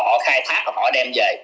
họ khai thác họ đem về